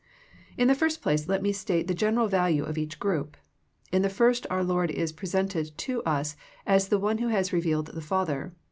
In the first place let me state the general value of each group. In the first our Lord is presented to us as the One who has revealed the Father.